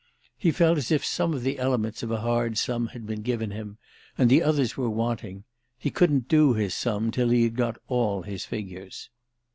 He felt as if some of the elements of a hard sum had been given him and the others were wanting: he couldn't do his sum till he had got all his figures.